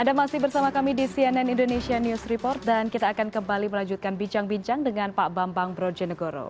anda masih bersama kami di cnn indonesia news report dan kita akan kembali melanjutkan bincang bincang dengan pak bambang brojonegoro